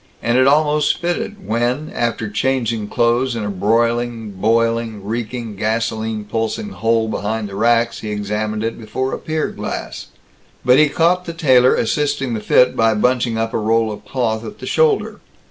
And it almost fitted when, after changing clothes in a broiling, boiling, reeking, gasoline pulsing hole behind the racks, he examined it before a pier glass. But he caught the tailor assisting the fit by bunching up a roll of cloth at the shoulder.